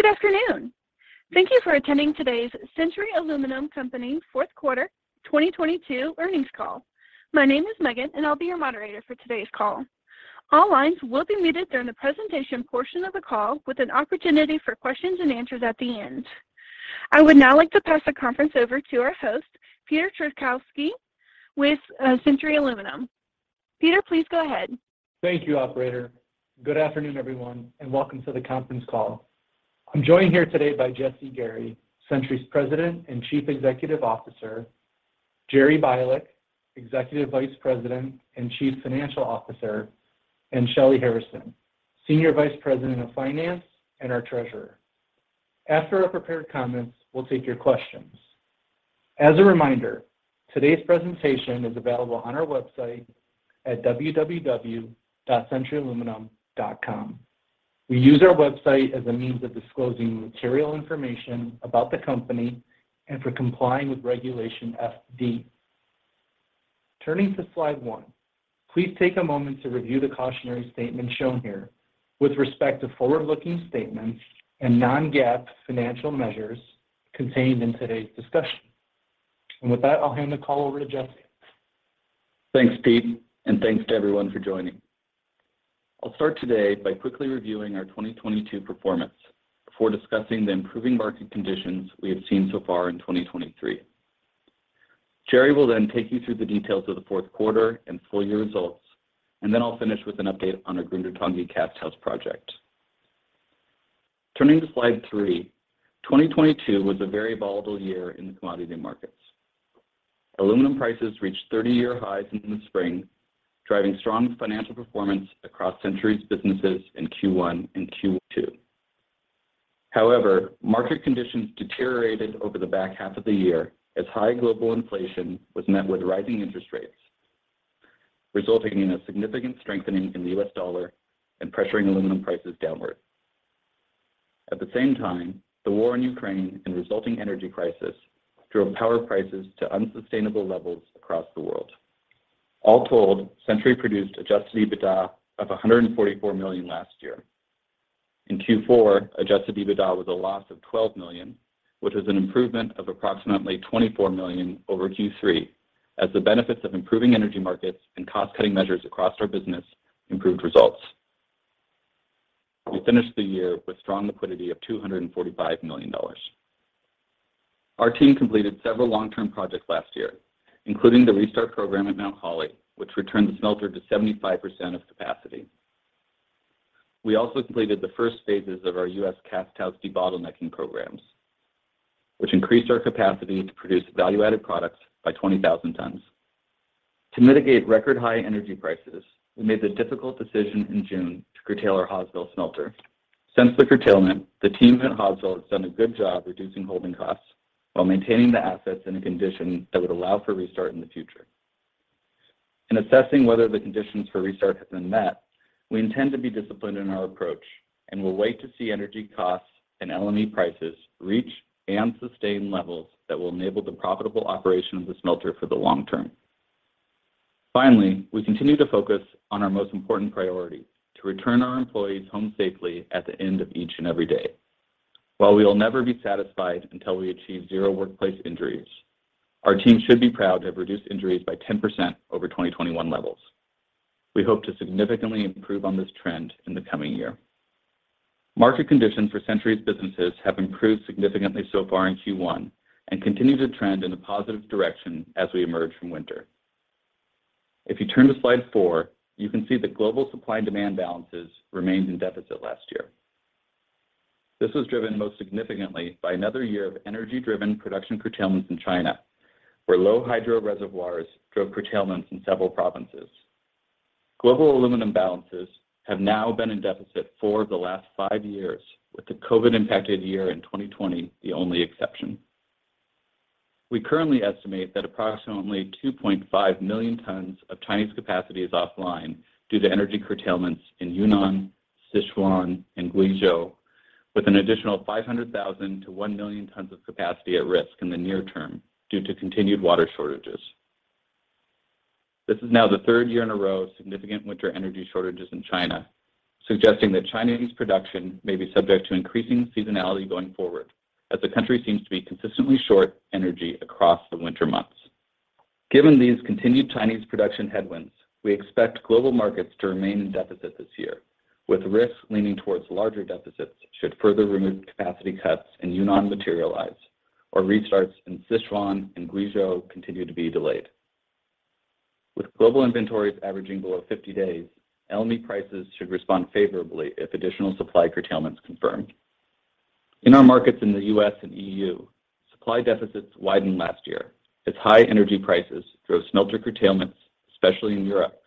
Good afternoon. Thank you for attending today's Century Aluminum Company fourth quarter 2022 earnings call. My name is Megan, and I'll be your moderator for today's call. All lines will be muted during the presentation portion of the call with an opportunity for questions and answers at the end. I would now like to pass the conference over to our host, Peter Trpkovski, with Century Aluminum. Peter, please go ahead. Thank you, operator. Good afternoon, everyone, and welcome to the conference call. I'm joined here today by Jesse Gary, Century's President and Chief Executive Officer, Jerry Bielak, Executive Vice President and Chief Financial Officer, and Shelley Harrison, Senior Vice President of Finance and our Treasurer. After our prepared comments, we'll take your questions. As a reminder, today's presentation is available on our website at www.centuryaluminum.com. We use our website as a means of disclosing material information about the company and for complying with Regulation FD. Turning to Slide 1, please take a moment to review the cautionary statement shown here with respect to forward-looking statements and non-GAAP financial measures contained in today's discussion. With that, I'll hand the call over to Jesse. Thanks, Pete, and thanks to everyone for joining. I'll start today by quickly reviewing our 2022 performance before discussing the improving market conditions we have seen so far in 2023. Jerry will then take you through the details of the fourth quarter and full year results, and then I'll finish with an update on our Grundartangi Casthouse project. Turning to Slide 3, 2022 was a very volatile year in the commodity markets. Aluminum prices reached 30-year highs in the spring, driving strong financial performance across Century's businesses in Q1 and Q2. However, market conditions deteriorated over the back half of the year as high global inflation was met with rising interest rates, resulting in a significant strengthening in the US dollar and pressuring aluminum prices downward. At the same time, the war in Ukraine and resulting energy crisis drove power prices to unsustainable levels across the world. All told, Century produced adjusted EBITDA of $144 million last year. In Q4, adjusted EBITDA was a loss of $12 million, which is an improvement of approximately $24 million over Q3, as the benefits of improving energy markets and cost-cutting measures across our business improved results. We finished the year with strong liquidity of $245 million. Our team completed several long-term projects last year, including the restart program at Mount Holly, which returned the smelter to 75% of capacity. We also completed the first phases of our US Casthouse Debottlenecking Programs, which increased our capacity to produce value-added products by 20,000 tons. To mitigate record-high energy prices, we made the difficult decision in June to curtail our Hawesville smelter. Since the curtailment, the team at Hawesville has done a good job reducing holding costs while maintaining the assets in a condition that would allow for restart in the future. In assessing whether the conditions for restart have been met, we intend to be disciplined in our approach and will wait to see energy costs and LME prices reach and sustain levels that will enable the profitable operation of the smelter for the long term. Finally, we continue to focus on our most important priority, to return our employees home safely at the end of each and every day. While we will never be satisfied until we achieve zero workplace injuries, our team should be proud to have reduced injuries by 10% over 2021 levels. We hope to significantly improve on this trend in the coming year. Market conditions for Century's businesses have improved significantly so far in Q1 and continue to trend in a positive direction as we emerge from winter. If you turn to Slide 4, you can see that global supply and demand balances remained in deficit last year. This was driven most significantly by another year of energy-driven production curtailments in China, where low hydro reservoirs drove curtailments in several provinces. Global aluminum balances have now been in deficit four of the last five years, with the COVID-impacted year in 2020 the only exception. We currently estimate that approximately 2.5 million tons of Chinese capacity is offline due to energy curtailments in Yunnan, Sichuan, and Guizhou, with an additional 0.5-1 million tons of capacity at risk in the near term due to continued water shortages. This is now the third year in a row of significant winter energy shortages in China, suggesting that Chinese production may be subject to increasing seasonality going forward as the country seems to be consistently short energy across the winter months. Given these continued Chinese production headwinds, we expect global markets to remain in deficit this year, with risks leaning towards larger deficits should further removed capacity cuts in Yunnan materialize or restarts in Sichuan and Guizhou continue to be delayed. With global inventories averaging below 50 days, LME prices should respond favorably if additional supply curtailment is confirmed. In our markets in the U.S. and E.U., supply deficits widened last year as high energy prices drove smelter curtailments, especially in Europe,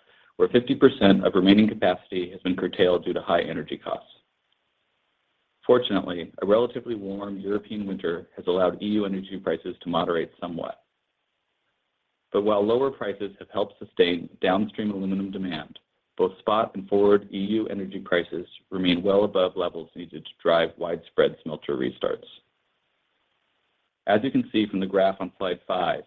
where 50% of remaining capacity has been curtailed due to high energy costs. Fortunately, a relatively warm European winter has allowed E.U. energy prices to moderate somewhat. While lower prices have helped sustain downstream aluminum demand, both spot and forward E.U. energy prices remain well above levels needed to drive widespread smelter restarts. As you can see from the graph on slide five,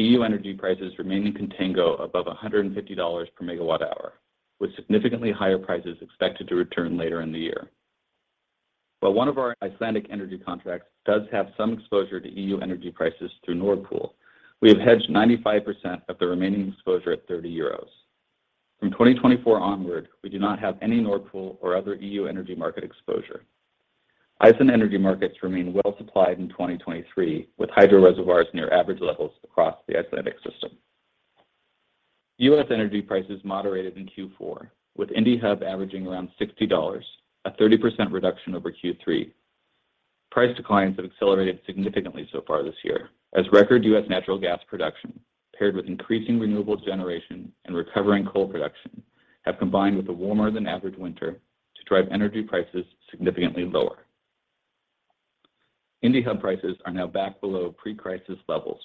E.U. energy prices remain in contango above $150 per MWh, with significantly higher prices expected to return later in the year. While one of our Icelandic energy contracts does have some exposure to E.U. energy prices through Nord Pool, we have hedged 95% of the remaining exposure at 30 euros. From 2024 onward, we do not have any Nord Pool or other E.U. energy market exposure. Iceland energy markets remain well supplied in 2023, with hydro reservoirs near average levels across the Icelandic system. U.S. energy prices moderated in Q4, with Indy Hub averaging around $60, a 30% reduction over Q3. Price declines have accelerated significantly so far this year as record US natural gas production paired with increasing renewable generation and recovering coal production have combined with a warmer than average winter to drive energy prices significantly lower. Indy Hub prices are now back below pre-crisis levels,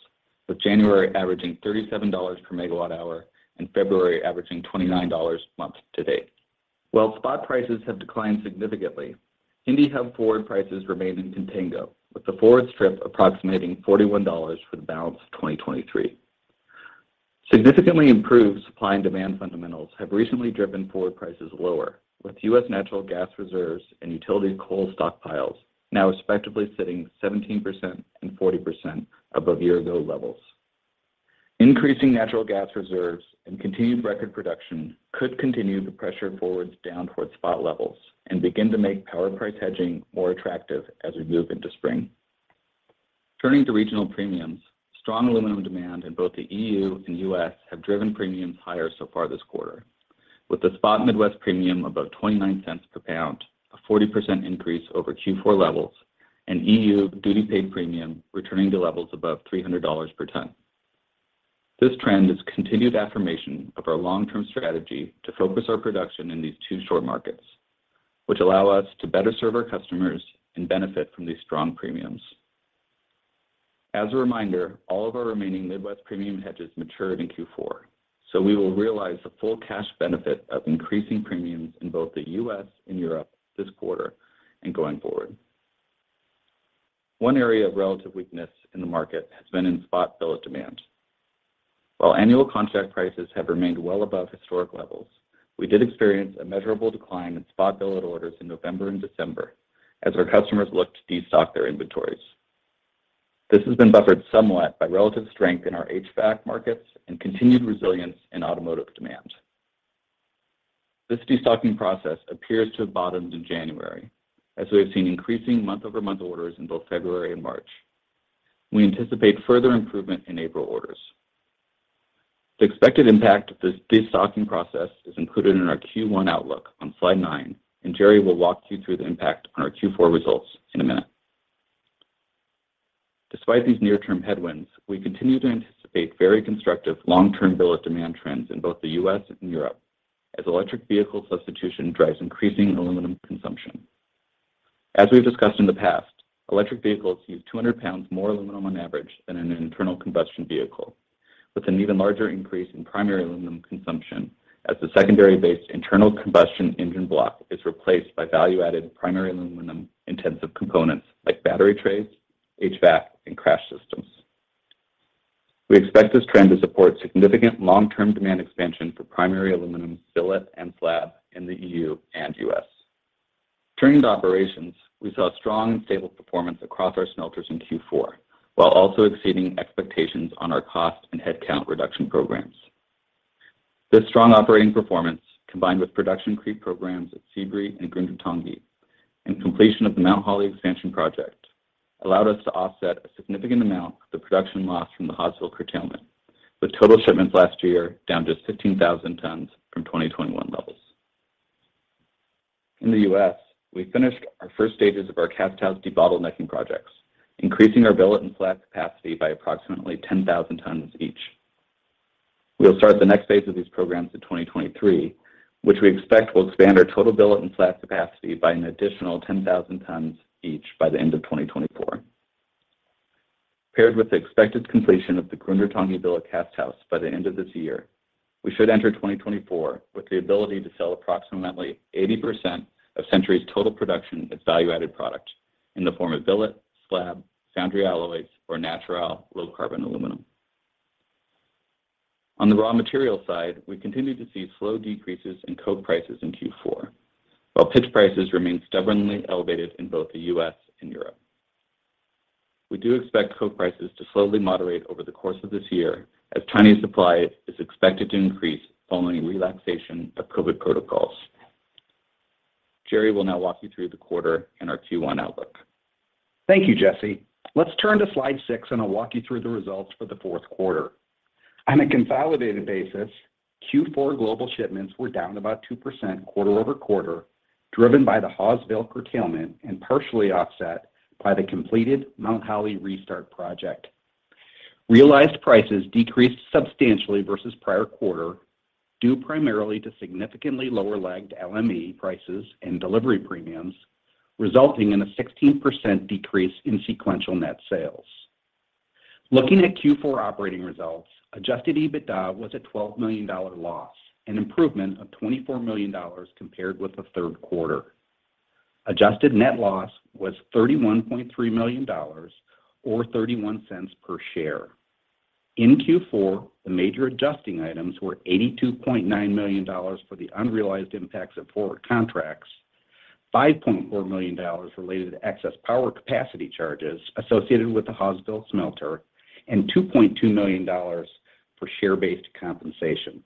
with January averaging $37 per MWh and February averaging $29 month to date. While spot prices have declined significantly, Indy Hub forward prices remain in contango, with the forward strip approximating $41 for the balance of 2023. Significantly improved supply and demand fundamentals have recently driven forward prices lower, with US natural gas reserves and utility coal stockpiles now respectively sitting 17% and 40% above year-ago levels. Increasing natural gas reserves and continued record production could continue to pressure forwards down towards spot levels and begin to make power price hedging more attractive as we move into spring. Turning to regional premiums, strong aluminum demand in both the E.U. and U.S. have driven premiums higher so far this quarter, with the spot Midwest premium above $0.29 per pound, a 40% increase over Q4 levels, and E.U. duty paid premium returning to levels above $300 per ton. This trend is continued affirmation of our long-term strategy to focus our production in these two short markets, which allow us to better serve our customers and benefit from these strong premiums. As a reminder, all of our remaining Midwest premium hedges matured in Q4, so we will realize the full cash benefit of increasing premiums in both the U.S. and Europe this quarter and going forward. One area of relative weakness in the market has been in spot billet demand. While annual contract prices have remained well above historic levels, we did experience a measurable decline in spot billet orders in November and December as our customers looked to destock their inventories. This has been buffered somewhat by relative strength in our HVAC markets and continued resilience in automotive demand. This destocking process appears to have bottomed in January as we have seen increasing month-over-month orders in both February and March. We anticipate further improvement in April orders. The expected impact of this destocking process is included in our Q1 outlook on Slide 9, and Jerry will walk you through the impact on our Q4 results in a minute. Despite these near-term headwinds, we continue to anticipate very constructive long-term billet demand trends in both the U.S. and Europe as electric vehicle substitution drives increasing aluminum consumption. As we've discussed in the past, electric vehicles use 200 pounds more aluminum on average than an internal combustion vehicle, with an even larger increase in primary aluminum consumption as the secondary-based internal combustion engine block is replaced by value-added primary aluminum-intensive components like battery trays, HVAC, and crash systems. We expect this trend to support significant long-term demand expansion for primary aluminum billet and slab in the E.U. and U.S. Turning to operations, we saw strong and stable performance across our smelters in Q4 while also exceeding expectations on our cost and headcount reduction programs. This strong operating performance, combined with production creep programs at Sebree and Grundartangi and completion of the Mount Holly expansion project, allowed us to offset a significant amount of the production loss from the Hawesville curtailment, with total shipments last year down just 15,000 tons from 2021 levels. In the U.S., we finished our first stages of our Casthouse Debottlenecking Projects, increasing our billet and flat capacity by approximately 10,000 tons each. We'll start the next phase of these programs in 2023, which we expect will expand our total billet and flat capacity by an additional 10,000 tons each by the end of 2024. Paired with the expected completion of the Grundartangi Casthouse by the end of this year, we should enter 2024 with the ability to sell approximately 80% of Century's total production as value-added product in the form of billet, slab, foundry alloys or Natur-Al low-carbon aluminum. On the raw material side, we continued to see slow decreases in coke prices in Q4, while pitch prices remain stubbornly elevated in both the U.S. and Europe. We do expect coke prices to slowly moderate over the course of this year as Chinese supply is expected to increase following relaxation of COVID protocols. Jerry will now walk you through the quarter and our Q1 outlook. Thank you, Jesse. Let's turn to Slide 6, I'll walk you through the results for the fourth quarter. On a consolidated basis, Q4 global shipments were down about 2% quarter-over-quarter, driven by the Hawesville curtailment partially offset by the completed Mount Holly restart project. Realized prices decreased substantially versus prior quarter, due primarily to significantly lower lagged LME prices and delivery premiums, resulting in a 16% decrease in sequential net sales. Looking at Q4 operating results, adjusted EBITDA was a $12 million loss, an improvement of $24 million compared with the third quarter. Adjusted net loss was $31.3 million or $0.31 per share. In Q4, the major adjusting items were $82.9 million for the unrealized impacts of forward contracts, $5.4 million related to excess power capacity charges associated with the Hawesville smelter, and $2.2 million for share-based compensation.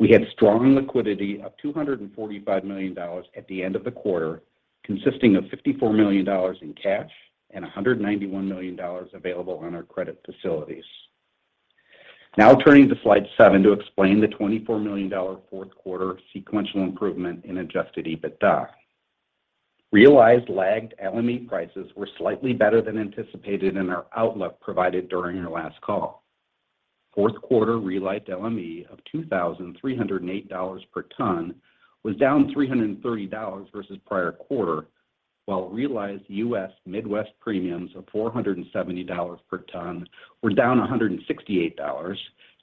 We had strong liquidity of $245 million at the end of the quarter, consisting of $54 million in cash and $191 million available on our credit facilities. Turning to Slide 7 to explain the $24 million fourth quarter sequential improvement in adjusted EBITDA. Realized lagged LME prices were slightly better than anticipated in our outlook provided during our last call. Fourth quarter realized LME of $2,308 per tonne was down $330 versus prior quarter, while realized U.S. Midwest premiums of $470 per tonne were down $168,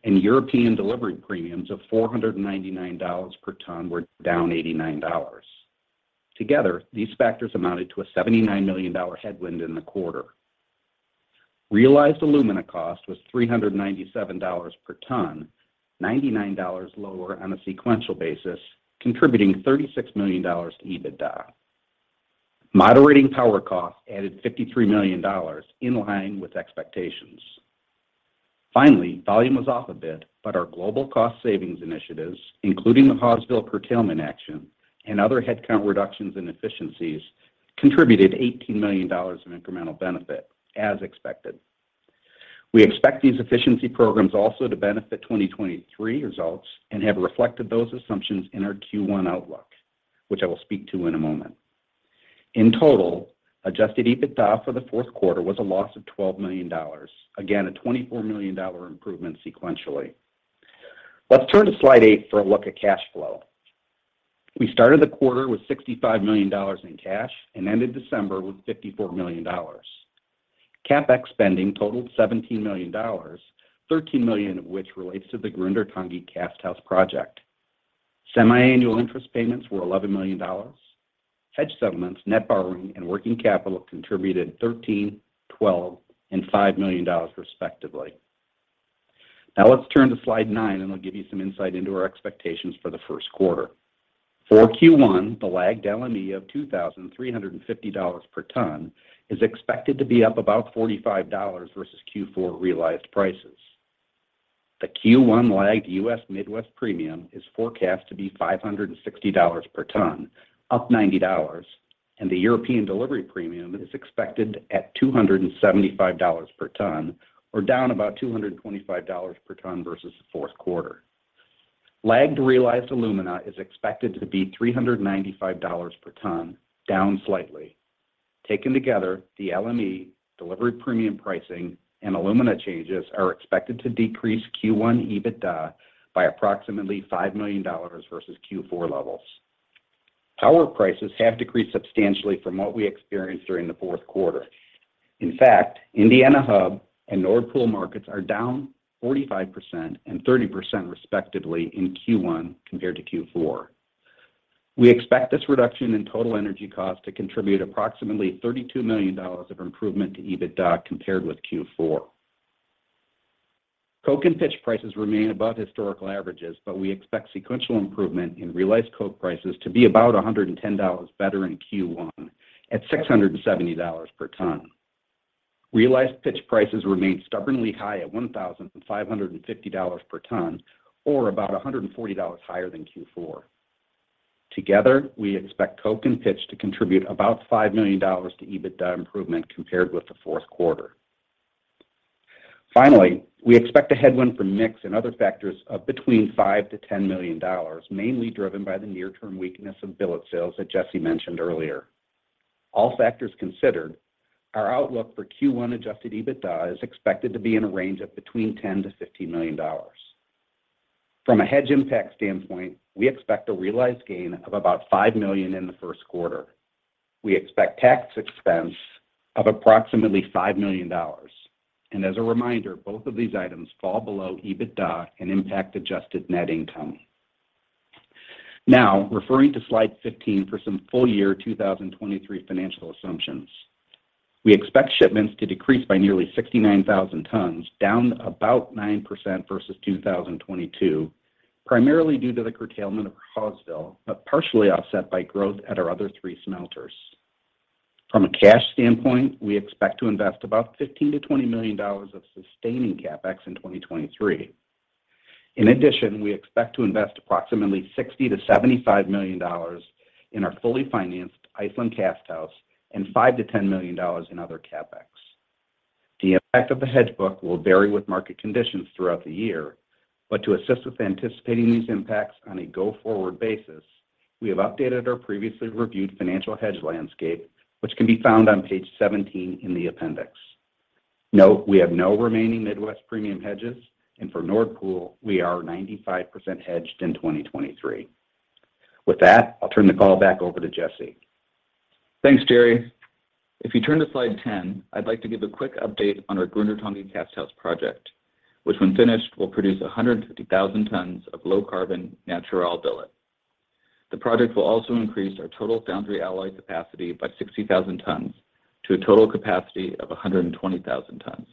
and European delivery premiums of $499 per tonne were down $89. Together, these factors amounted to a $79 million headwind in the quarter. Realized alumina cost was $397 per tonne, $99 lower on a sequential basis, contributing $36 million to EBITDA. Moderating power costs added $53 million in line with expectations. Finally, volume was off a bit, but our global cost savings initiatives, including the Hawesville curtailment action and other headcount reductions and efficiencies, contributed $18 million of incremental benefit as expected. We expect these efficiency programs also to benefit 2023 results and have reflected those assumptions in our Q1 outlook, which I will speak to in a moment. In total, adjusted EBITDA for the fourth quarter was a loss of $12 million. Again, a $24 million improvement sequentially. Let's turn to Slide 8 for a look at cash flow. We started the quarter with $65 million in cash and ended December with $54 million. CapEx spending totaled $17 million, $13 million of which relates to the Grundartangi Casthouse Project. Semiannual interest payments were $11 million. Hedge settlements, net borrowing, and working capital contributed $13 million, $12 million, and $5 million respectively. Now let's turn to Slide 9, and I'll give you some insight into our expectations for the first quarter. For Q1, the lagged LME of $2,350 per tonne is expected to be up about $45 versus Q4 realized prices. The Q1 lagged U.S. Midwest premium is forecast to be $560 per tonne, up $90, and the European delivery premium is expected at $275 per tonne, or down about $225 per tonne versus the fourth quarter. Lagged realized alumina is expected to be $395 per tonne, down slightly. Taken together, the LME delivery premium pricing and alumina changes are expected to decrease Q1 EBITDA by approximately $5 million versus Q4 levels. Power prices have decreased substantially from what we experienced during the fourth quarter. In fact, Indiana Hub and Nord Pool markets are down 45% and 30% respectively in Q1 compared to Q4. We expect this reduction in total energy cost to contribute approximately $32 million of improvement to EBITDA compared with Q4. coke and pitch prices remain above historical averages, but we expect sequential improvement in realized coke prices to be about $110 better in Q1 at $670 per ton. Realized pitch prices remain stubbornly high at $1,550 per ton or about $140 higher than Q4. Together, we expect coke and pitch to contribute about $5 million to EBITDA improvement compared with the fourth quarter. Finally, we expect a headwind from mix and other factors of between $5 million-$10 million, mainly driven by the near-term weakness in billet sales that Jesse mentioned earlier. All factors considered, our outlook for Q1 adjusted EBITDA is expected to be in a range of $10 million-$15 million. From a hedge impact standpoint, we expect a realized gain of about $5 million in the first quarter. We expect tax expense of approximately $5 million. As a reminder, both of these items fall below EBITDA and impact adjusted net income. Referring to Slide 15 for some full year 2023 financial assumptions. We expect shipments to decrease by nearly 69,000 tonnes, down about 9% versus 2022, primarily due to the curtailment of Hawesville, but partially offset by growth at our other three smelters. From a cash standpoint, we expect to invest about $15 million-$20 million of sustaining CapEx in 2023. In addition, we expect to invest approximately $60 million-$75 million in our fully financed Iceland Casthouse and $5 million-$10 million in other CapEx. The impact of the hedge book will vary with market conditions throughout the year. To assist with anticipating these impacts on a go-forward basis, we have updated our previously reviewed financial hedge landscape, which can be found on Page 17 in the appendix. Note we have no remaining Midwest premium hedges, and for Nord Pool, we are 95% hedged in 2023. With that, I'll turn the call back over to Jesse. Thanks, Jerry. If you turn to Slide 10, I'd like to give a quick update on our Grundartangi Casthouse project, which when finished, will produce 150,000 tons of low carbon Natur-Al billet. The project will also increase our total foundry alloy capacity by 60,000 tons to a total capacity of 120,000 tons.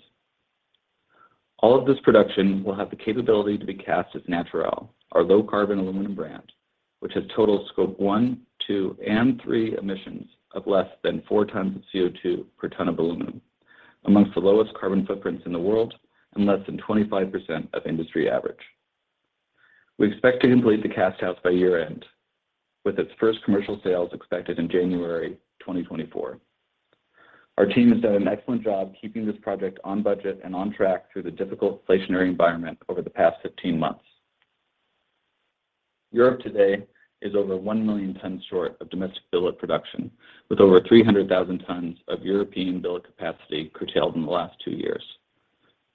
All of this production will have the capability to be cast as Norðurál, our low carbon aluminum brand, which has total Scope 1, 2, and 3 emissions of less than 4 tons of CO2 per ton of aluminum. Amongst the lowest carbon footprints in the world and less than 25% of industry average. We expect to complete the casthouse by year-end with its first commercial sales expected in January 2024. Our team has done an excellent job keeping this project on budget and on track through the difficult inflationary environment over the past 15 months. Europe today is over 1 million tons short of domestic billet production, with over 300,000 tons of European billet capacity curtailed in the last two years.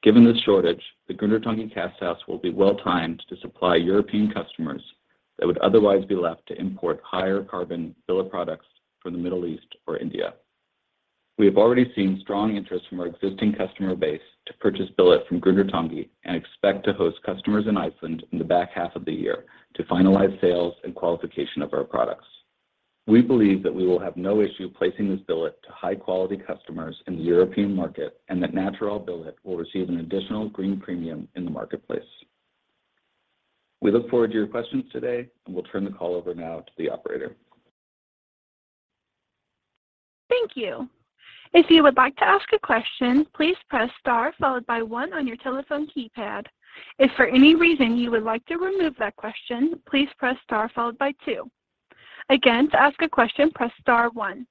Given this shortage, the Grundartangi Casthouse will be well-timed to supply European customers that would otherwise be left to import higher carbon billet products from the Middle East or India. We have already seen strong interest from our existing customer base to purchase billet from Grundartangi, and expect to host customers in Iceland in the back half of the year to finalize sales and qualification of our products. We believe that we will have no issue placing this billet to high-quality customers in the European market, and that Natur-Al billet will receive an additional green premium in the marketplace. We look forward to your questions today, and we'll turn the call over now to the operator. Thank you. If you would like to ask a question, please press star followed by one on your telephone keypad. If for any reason you would like to remove that question, please press star followed by two. Again, to ask a question, press star one.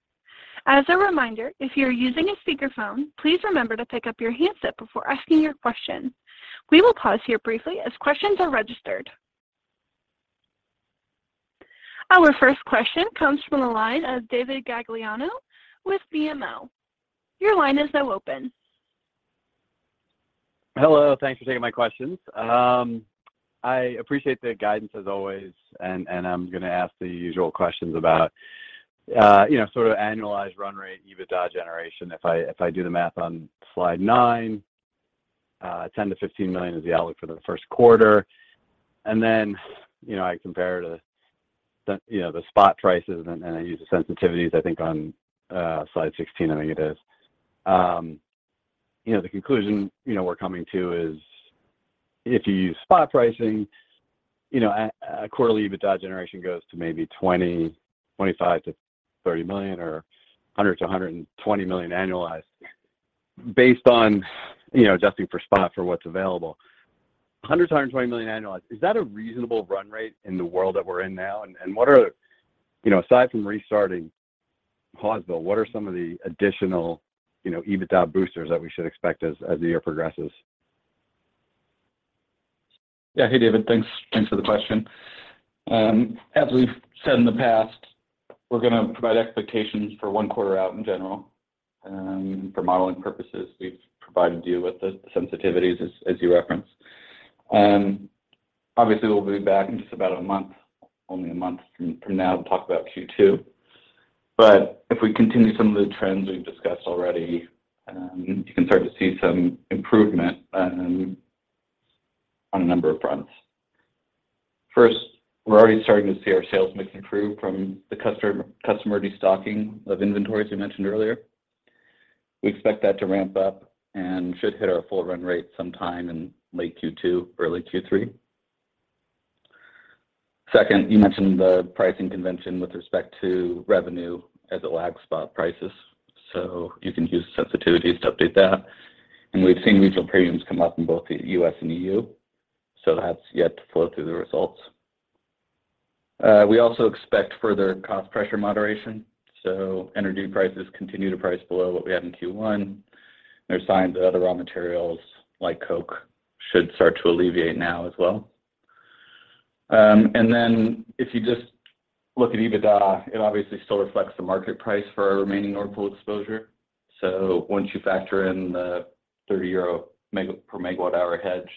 As a reminder, if you are using a speakerphone, please remember to pick up your handset before asking your question. We will pause here briefly as questions are registered. Our first question comes from the line of David Gagliano with BMO. Your line is now open. Hello. Thanks for taking my questions. I appreciate the guidance as always, and I'm gonna ask the usual questions about, you know, sort of annualized run rate EBITDA generation. If I do the math on slide nine, $10 million-$15 million is the outlook for the first quarter. You know, I compare to the, you know, the spot prices and I use the sensitivities I think on slide sixteen, I think it is. You know, the conclusion, you know, we're coming to is if you use spot pricing, you know, quarterly EBITDA generation goes to maybe $25 million-$30 million or $100 million-$120 million annualized based on, you know, adjusting for spot for what's available. $100 million-$120 million annualized. Is that a reasonable run rate in the world that we're in now? What are, you know, aside from restarting Hawesville, what are some of the additional, you know, EBITDA boosters that we should expect as the year progresses? Hey David. Thanks for the question. As we've said in the past, we're gonna provide expectations for one quarter out in general. For modeling purposes, we've provided you with the sensitivities as you referenced. Obviously we'll be back in just about a month, only a month from now to talk about Q2. If we continue some of the trends we've discussed already, you can start to see some improvement on a number of fronts. First, we're already starting to see our sales mix improve from the customer destocking of inventories we mentioned earlier. We expect that to ramp up and should hit our full run rate sometime in late Q2, early Q3. Second, you mentioned the pricing convention with respect to revenue as it lags spot prices. You can use sensitivities to update that. We've seen regional premiums come up in both the U.S. and EU, that's yet to flow through the results. We also expect further cost pressure moderation, energy prices continue to price below what we had in Q1. There's signs that other raw materials like coke should start to alleviate now as well. If you just look at EBITDA, it obviously still reflects the market price for our remaining Nord Pool exposure. Once you factor in the 30 euro per MWh hedge,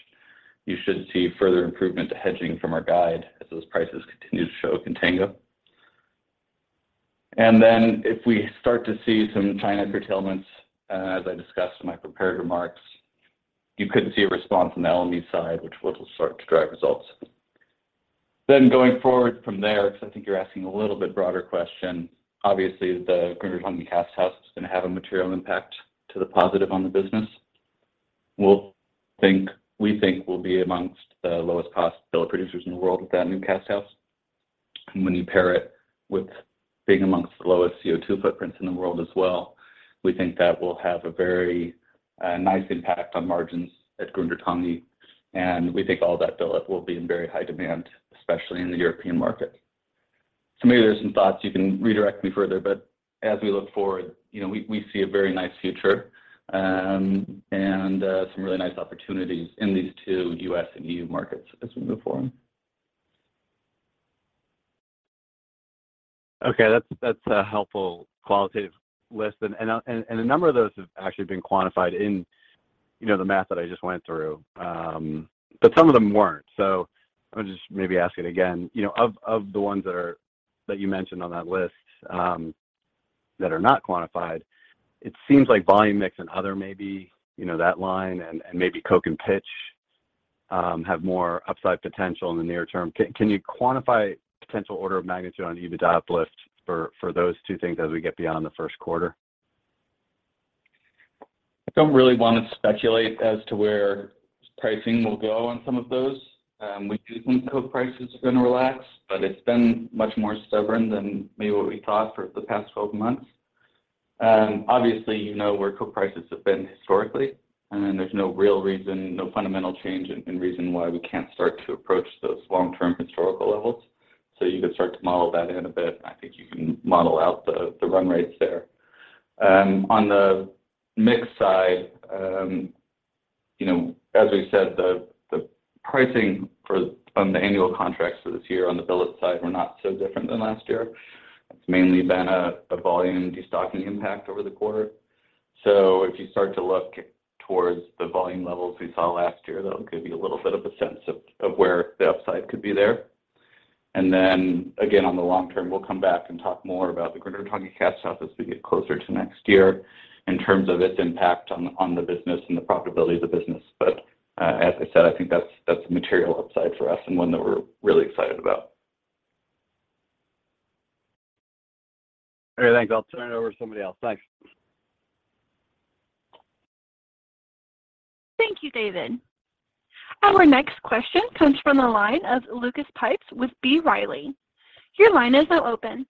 you should see further improvement to hedging from our guide as those prices continue to show contango. If we start to see some China curtailments, as I discussed in my prepared remarks, you could see a response on the LME side, which will start to drive results. Going forward from there, because I think you're asking a little bit broader question, obviously the Grundartangi casthouse is going to have a material impact to the positive on the business. We think we'll be amongst the lowest cost billet producers in the world with that new casthouse. When you pair it with being amongst the lowest CO2 footprints in the world as well, we think that will have a very nice impact on margins at Grundartangi. We think all that billet will be in very high demand, especially in the European market. Maybe there's some thoughts, you can redirect me further, but as we look forward, you know, we see a very nice future and some really nice opportunities in these two U.S. and EU markets as we move forward. Okay. That's a helpful qualitative list. A number of those have actually been quantified in you know, the math that I just went through. Some of them weren't. I'll just maybe ask it again. You know, of the ones that you mentioned on that list, that are not quantified, it seems like volume mix and other maybe, you know, that line and maybe coke and pitch have more upside potential in the near term. Can you quantify potential order of magnitude on EBITDA uplift for those two things as we get beyond the first quarter? I don't really want to speculate as to where pricing will go on some of those. We do think coke price is gonna relax, it's been much more stubborn than maybe what we thought for the past 12 months. Obviously, you know where coke prices have been historically, and there's no real reason, no fundamental change in reason why we can't start to approach those long-term historical levels. You could start to model that in a bit, and I think you can model out the run rates there. On the mix side, you know, as we said, the pricing for on the annual contracts for this year on the billet side were not so different than last year. It's mainly been a volume de-stocking impact over the quarter. If you start to look towards the volume levels we saw last year, that'll give you a little bit of a sense of where the upside could be there. Then again, on the long term, we'll come back and talk more about the Grundartangi Casthouse as we get closer to next year in terms of its impact on the business and the profitability of the business. As I said, I think that's a material upside for us and one that we're really excited about. All right. Thanks. I'll turn it over to somebody else. Thanks. Thank you, David. Our next question comes from the line of Lucas Pipes with B. Riley. Your line is now open.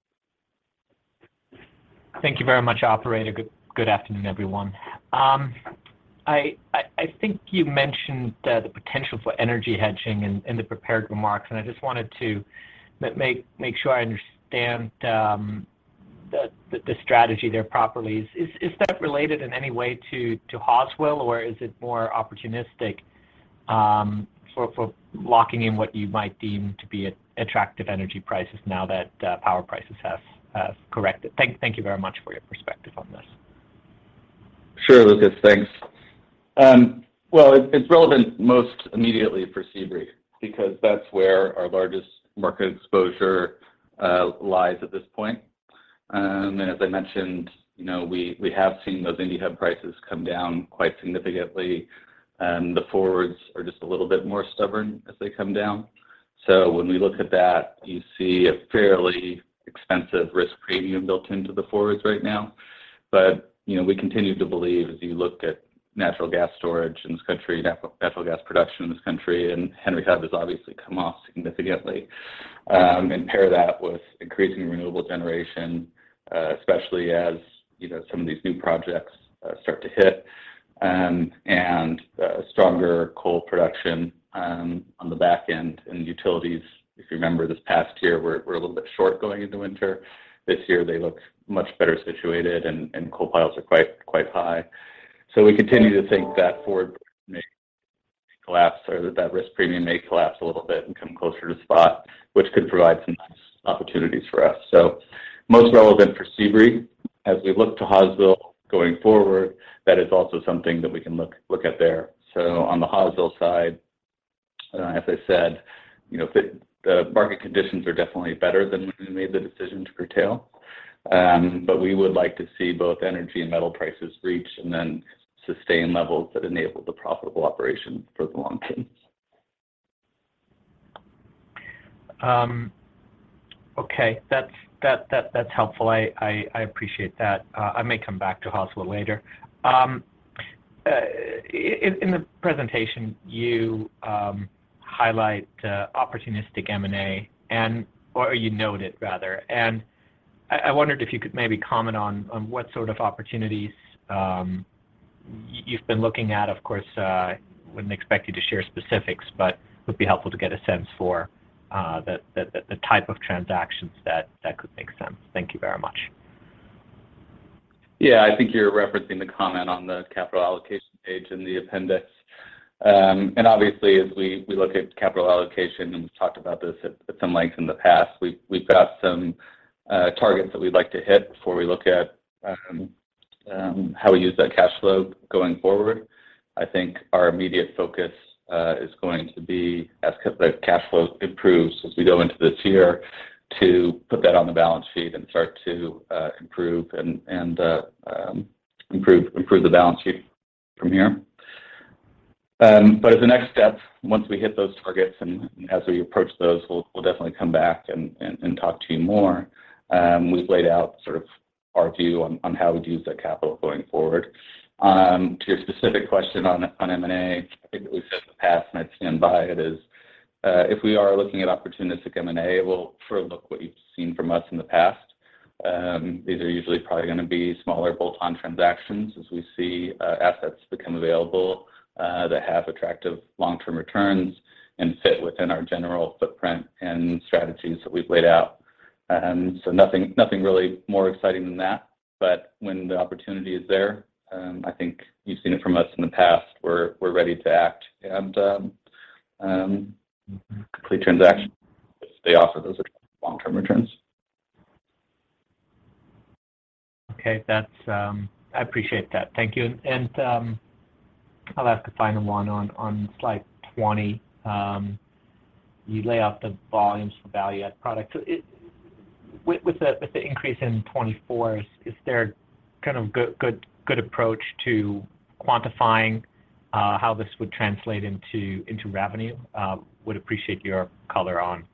Thank you very much, operator. Good afternoon, everyone. I think you mentioned the potential for energy hedging in the prepared remarks, and I just wanted to make sure I understand the strategy there properly. Is that related in any way to Hawesville, or is it more opportunistic for locking in what you might deem to be at attractive energy prices now that power prices have corrected? Thank you very much for your perspective on this. Sure, Lucas. Thanks. well, it's relevant most immediately for Sebree because that's where our largest market exposure lies at this point. As I mentioned, you know, we have seen those Indy Hub prices come down quite significantly, and the forwards are just a little bit more stubborn as they come down. When we look at that, you see a fairly expensive risk premium built into the forwards right now. We continue to believe as you look at natural gas storage in this country, natural gas production in this country, and Henry Hub has obviously come off significantly. Pair that with increasing renewable generation, especially as, you know, some of these new projects start to hit and stronger coal production on the back end. Utilities, if you remember this past year, were a little bit short going into winter. This year they look much better situated and coal piles are quite high. We continue to think that forward may collapse or that risk premium may collapse a little bit and come closer to spot, which could provide some nice opportunities for us. Most relevant for Sebree as we look to Hawesville going forward, that is also something that we can look at there. On the Hawesville side, as I said, you know, the market conditions are definitely better than when we made the decision to curtail. But we would like to see both energy and metal prices reach and then sustain levels that enable the profitable operations for the long term. Okay. That's helpful. I appreciate that. I may come back to Hawesville later. In the presentation, you highlight opportunistic M&A or you note it rather, and I wondered if you could maybe comment on what sort of opportunities you've been looking at. Of course, wouldn't expect you to share specifics, but would be helpful to get a sense for the type of transactions that could make sense. Thank you very much. Yeah. I think you're referencing the comment on the capital allocation page in the appendix. Obviously as we look at capital allocation, and we've talked about this at some length in the past, we've got some targets that we'd like to hit before we look at how we use that cash flow going forward. I think our immediate focus is going to be as the cash flow improves as we go into this year to put that on the balance sheet and start to improve and improve the balance sheet from here. As a next step, once we hit those targets and as we approach those, we'll definitely come back and talk to you more. We've laid out sort of our view on how we'd use that capital going forward. To your specific question on M&A, I think that we've said in the past and I'd stand by it, is, if we are looking at opportunistic M&A, we'll further look what you've seen from us in the past. These are usually probably gonna be smaller bolt-on transactions as we see assets become available that have attractive long-term returns and fit within our general footprint and strategies that we've laid out. Nothing really more exciting than that. When the opportunity is there, I think you've seen it from us in the past, we're ready to act and complete transactions stay off of those long-term returns. Okay, that's. I appreciate that. Thank you. I'll ask a final one on Slide 20. You lay out the volumes for value-add product. With the increase in 2024, is there kind of good approach to quantifying how this would translate into revenue? Would appreciate your color on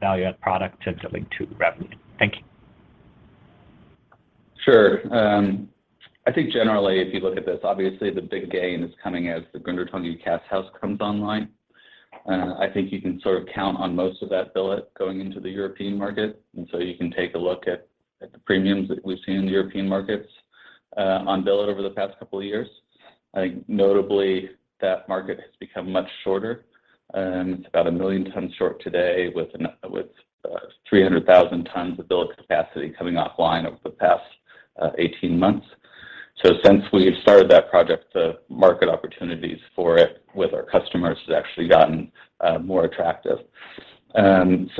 value-add product as it relate to revenue. Thank you. Sure. I think generally, if you look at this, obviously the big gain is coming as the Grundartangi Casthouse comes online. I think you can sort of count on most of that billet going into the European market, so you can take a look at the premiums that we've seen in the European markets on billet over the past couple of years. I think notably, that market has become much shorter, it's about a million tons short today with 300,000 tons of billet capacity coming offline over the past 18 months. Since we've started that project, the market opportunities for it with our customers has actually gotten more attractive. You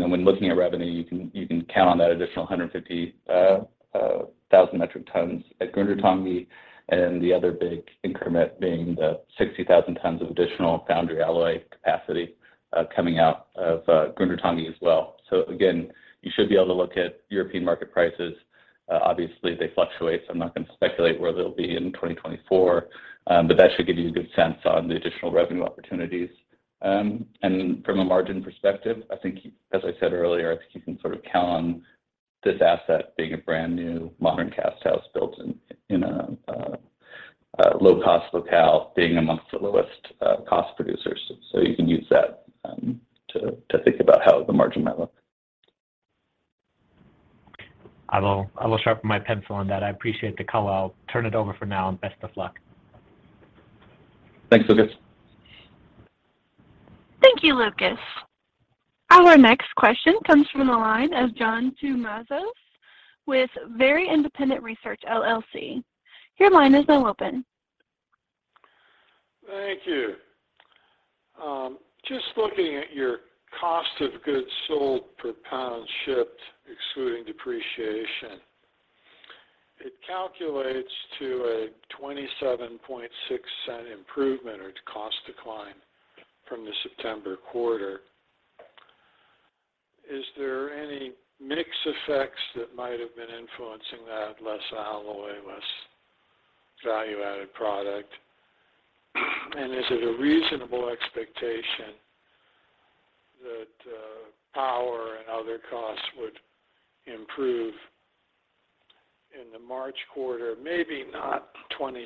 know, when looking at revenue, you can count on that additional 150,000 metric tons at Grundartangi, and the other big increment being the 60,000 tons of additional foundry alloys capacity coming out of Grundartangi as well. Again, you should be able to look at European market prices. Obviously they fluctuate, so I'm not gonna speculate where they'll be in 2024. That should give you a good sense on the additional revenue opportunities. From a margin perspective, I think, as I said earlier, I think you can sort of count on this asset being a brand-new modern casthouse built in a low-cost locale, being amongst the lowest cost producers. You can use that to think about how the margin might look. I will sharpen my pencil on that. I appreciate the call out. Turn it over for now, and best of luck. Thanks, Lucas. Thank you, Lucas. Our next question comes from the line of John Tumazos with Very Independent Research LLC. Your line is now open. Thank you. just looking at your cost of goods sold per pound shipped, excluding depreciation, it calculates to a $0.276 improvement or cost decline from the September quarter. Is there any mix effects that might have been influencing that, less alloy, less value-added product? Is it a reasonable expectation that power and other costs would improve in the March quarter, maybe not $0.276,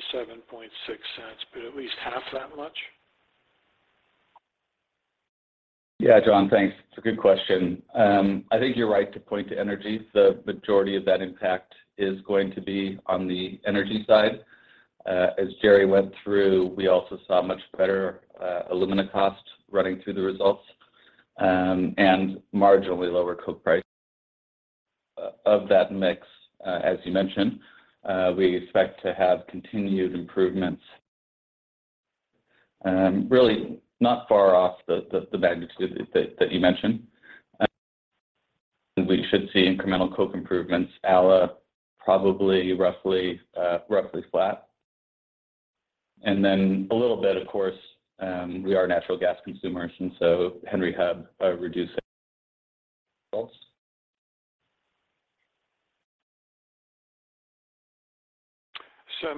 but at least half that much? Yeah. John, thanks. It's a good question. I think you're right to point to energy. The majority of that impact is going to be on the energy side. As Jerry went through, we also saw much better alumina costs running through the results and marginally lower coke price. Of that mix, as you mentioned, we expect to have continued improvements, really not far off the magnitude that you mentioned. We should see incremental coke improvements, ala probably roughly roughly flat. And then a little bit, of course, we are natural gas consumers and so Henry Hub reducing costs.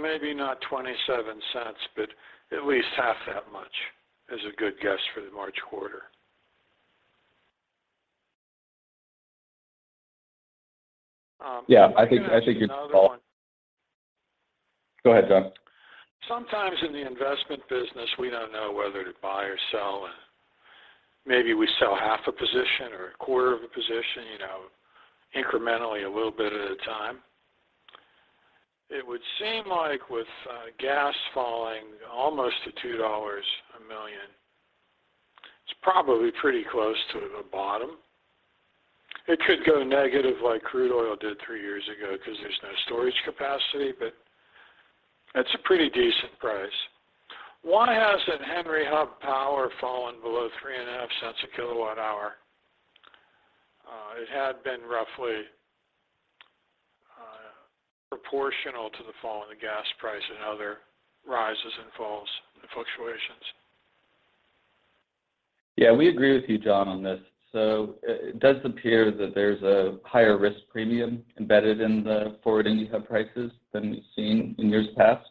maybe not $0.27, but at least half that much is a good guess for the March quarter. Yeah. I think it's. I'm gonna ask you another one. Go ahead, John. Sometimes in the investment business, we don't know whether to buy or sell. Maybe we sell half a position or a quarter of a position, you know, incrementally a little bit at a time. It would seem like with gas falling almost to $2 a million, it's probably pretty close to the bottom. It could go negative like crude oil did three years ago because there's no storage capacity. That's a pretty decent price. Why hasn't Henry Hub power fallen below $0.035 a kilowatt hour? It had been roughly proportional to the fall in the gas price and other rises and falls and fluctuations. Yeah. We agree with you, John, on this. It does appear that there's a higher risk premium embedded in the forward Henry Hub prices than we've seen in years past.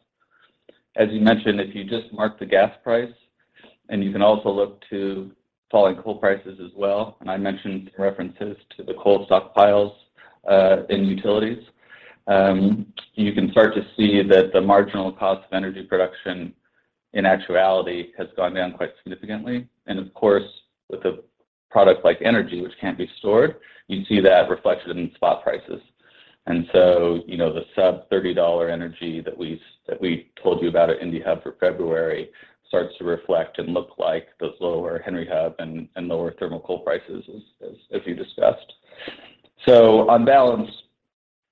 As you mentioned, if you just mark the gas price, and you can also look to falling coal prices as well, and I mentioned references to the coal stockpiles in utilities, you can start to see that the marginal cost of energy production in actuality has gone down quite significantly. Of course, with a product like energy, which can't be stored, you see that reflected in spot prices. So, you know, the sub $30 energy that we told you about at Indy Hub for February starts to reflect and look like those lower Henry Hub and lower thermal coal prices as you discussed. On balance,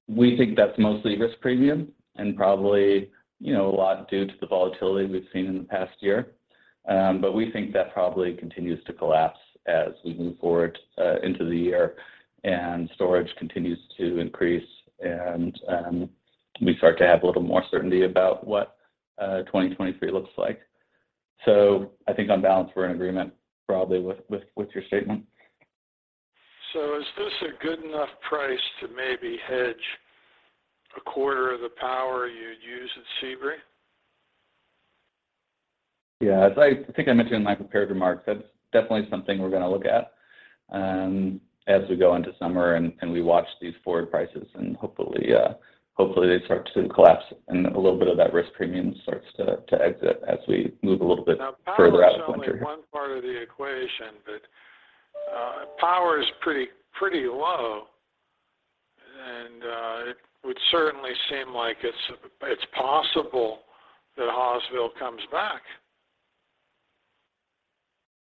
we think that's mostly risk premium and probably, you know, a lot due to the volatility we've seen in the past year. But we think that probably continues to collapse as we move forward into the year and storage continues to increase and we start to have a little more certainty about what 2023 looks like. I think on balance we're in agreement probably with your statement. Is this a good enough price to maybe hedge a quarter of the power you'd use at Sebree? Yeah. As I think I mentioned in my prepared remarks, that's definitely something we're gonna look at, as we go into summer and we watch these forward prices and hopefully they start to collapse and a little bit of that risk premium starts to exit as we move a little bit further out of winter. Power's only one part of the equation, but power is pretty low and it would certainly seem like it's possible that Hawesville comes back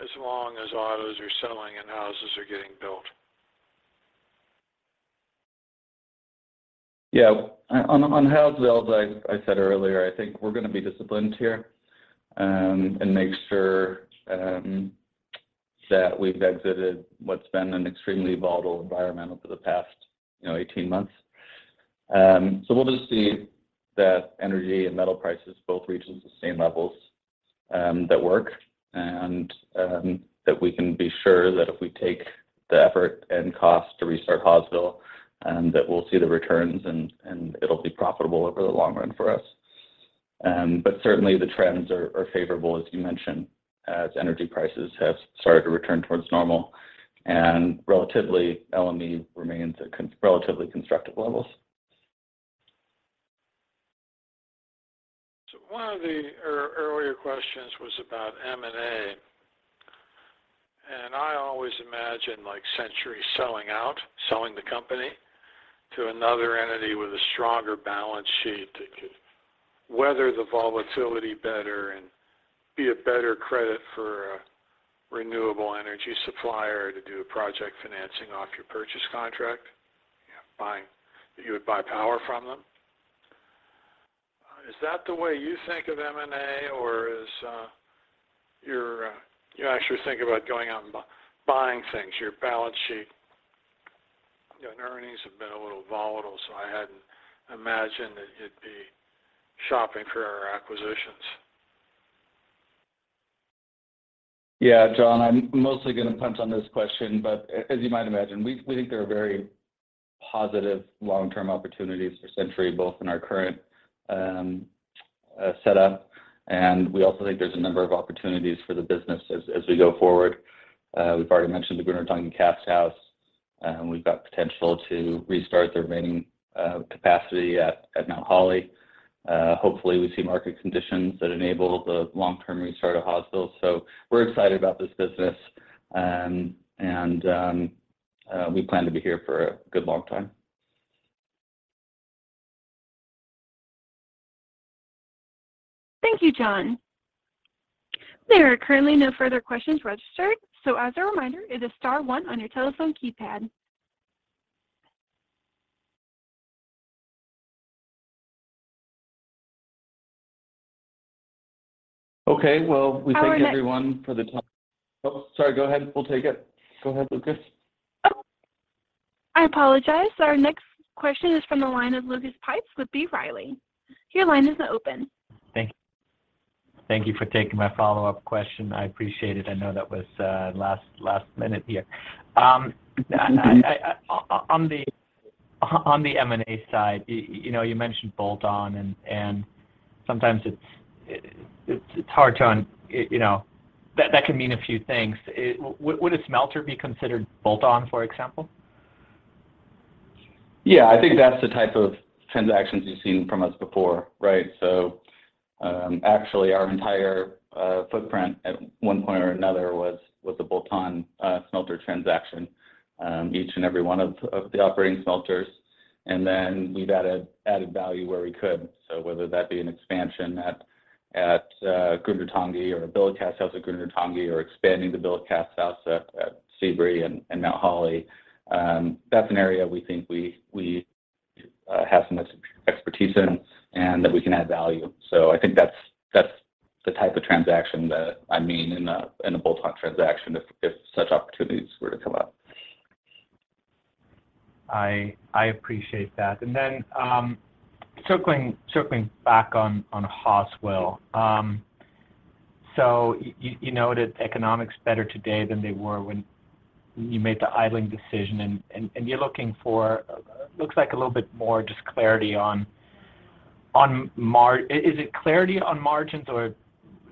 as long as autos are selling and houses are getting built. Yeah. On Hawesville, as I said earlier, I think we're gonna be disciplined here, make sure that we've exited what's been an extremely volatile environment over the past, you know, 18 months. We'll just see that energy and metal prices both reach the same levels that work and that we can be sure that if we take the effort and cost to restart Hawesville, that we'll see the returns and it'll be profitable over the long run for us. Certainly the trends are favorable, as you mentioned, as energy prices have started to return towards normal, and relatively LME remains at relatively constructive levels. One of the earlier questions was about M&A. I always imagine like Century selling out, selling the company to another entity with a stronger balance sheet that could weather the volatility better and be a better credit for a renewable energy supplier to do a project financing off your purchase contract. You know, you would buy power from them. Is that the way you think of M&A or is, you're, you actually think about going out and buying things? Your balance sheet, you know, and earnings have been a little volatile, so I hadn't imagined that you'd be shopping for acquisitions. Yeah. John, I'm mostly gonna punt on this question, but as you might imagine, we think there are very positive long-term opportunities for Century, both in our current setup, and we also think there's a number of opportunities for the business as we go forward. We've already mentioned the Grundartangi Casthouse, and we've got potential to restart the remaining capacity at Mount Holly. Hopefully we see market conditions that enable the long-term restart of Hawesville. We're excited about this business, and we plan to be here for a good long time. Thank you, John. There are currently no further questions registered, so as a reminder, it is star one on your telephone keypad. Okay. Well, we thank everyone for the. Our next- Oh, sorry. Go ahead. We'll take it. Go ahead, Lucas. Oh, I apologize. Our next question is from the line of Lucas Pipes with B. Riley. Your line is now open. Thank you. Thank you for taking my follow-up question. I appreciate it. I know that was last minute here. Mm-hmm... on the M&A side, you know, you mentioned bolt-on and sometimes it's hard to, you know. That can mean a few things. Would a smelter be considered bolt-on, for example? I think that's the type of transactions you've seen from us before, right? Actually our entire footprint at one point or another was a bolt-on smelter transaction. Each and every one of the operating smelters. Then we've added value where we could. Whether that be an expansion at Grundartangi or a billet casthouse at Grundartangi or expanding the billet casthouse at Sebree and Mount Holly. That's an area we think we have some expertise in and that we can add value. I think that's the type of transaction that I mean in a bolt-on transaction if such opportunities were to come up. I appreciate that. Circling back on Hawesville. You noted economics better today than they were when you made the idling decision and you're looking for looks like a little bit more just clarity on margins? Is it clarity on margins or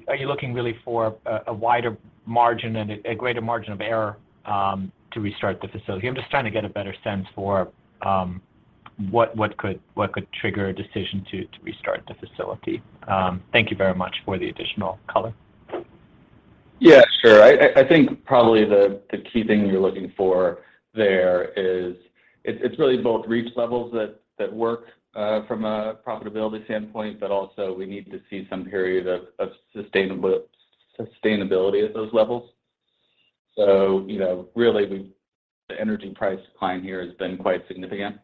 are you looking really for a wider margin and a greater margin of error to restart the facility? I'm just trying to get a better sense for what could trigger a decision to restart the facility. Thank you very much for the additional color. Yeah, sure. I think probably the key thing you're looking for there is it's really both reach levels that work from a profitability standpoint, but also we need to see some period of sustainability at those levels. You know, really the energy price climb here has been quite significant.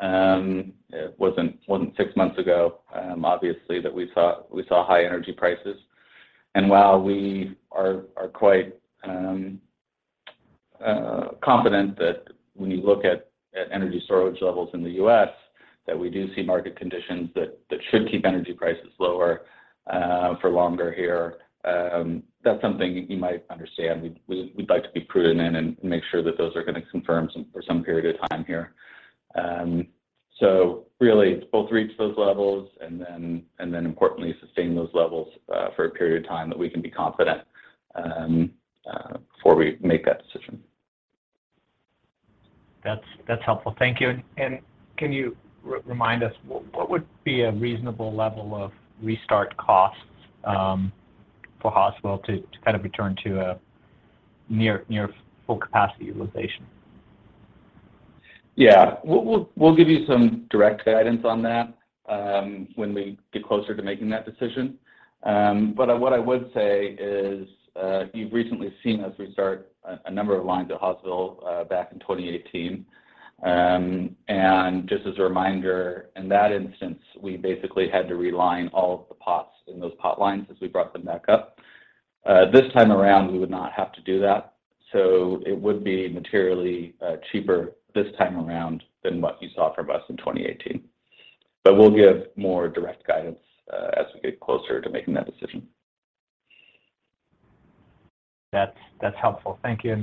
It wasn't six months ago, obviously that we saw high energy prices. While we are quite confident that when you look at energy storage levels in the U.S., that we do see market conditions that should keep energy prices lower for longer here. That's something you might understand. We'd like to be prudent and make sure that those are gonna confirm for some period of time here. Really both reach those levels and then importantly, sustain those levels, for a period of time that we can be confident, before we make that decision. That's helpful. Thank you. Can you remind us what would be a reasonable level of restart costs for Hawesville to kind of return to a near full capacity utilization? Yeah. We'll give you some direct guidance on that when we get closer to making that decision. What I would say is you've recently seen us restart a number of lines at Hawesville back in 2018. Just as a reminder, in that instance, we basically had to realign all of the pots in those potlines as we brought them back up. This time around, we would not have to do that, so it would be materially cheaper this time around than what you saw from us in 2018. We'll give more direct guidance as we get closer to making that decision. That's helpful. Thank you.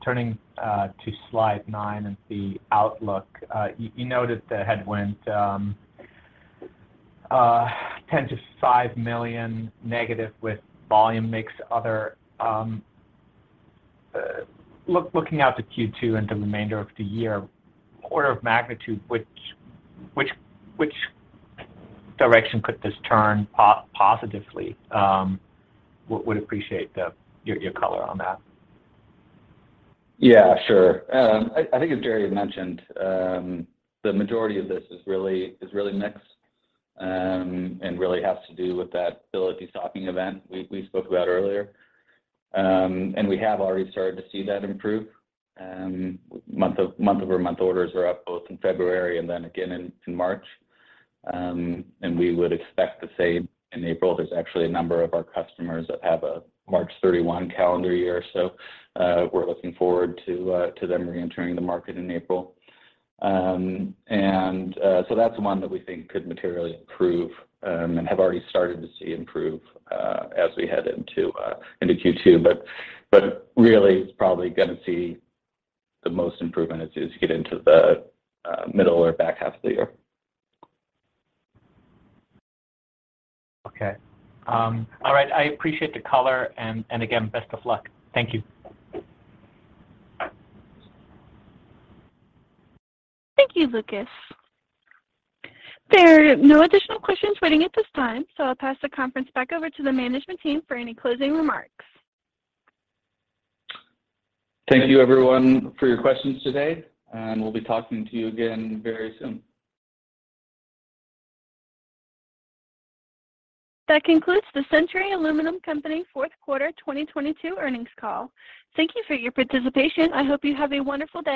Then, turning to Slide 9 and the outlook, you noted the headwind, $10 million-$5 million negative with volume mix, other. Looking out to Q2 and the remainder of the year, order of magnitude, which direction could this turn positively? Would appreciate your color on that. Yeah, sure. I think as Jerry had mentioned, the majority of this is really mix, and really has to do with that ability stopping event we spoke about earlier. We have already started to see that improve. month-over-month orders were up both in February and then again in March. We would expect the same in April. There's actually a number of our customers that have a March 31 calendar year, so, we're looking forward to them reentering the market in April. That's one that we think could materially improve, and have already started to see improve, as we head into Q2. Really it's probably gonna see the most improvement as you get into the middle or back half of the year. Okay. All right. I appreciate the color and again, best of luck. Thank you. Thank you, Lucas. There are no additional questions waiting at this time, so I'll pass the conference back over to the management team for any closing remarks. Thank you everyone for your questions today, and we'll be talking to you again very soon. That concludes the Century Aluminum Company fourth quarter 2022 earnings call. Thank you for your participation. I hope you have a wonderful day.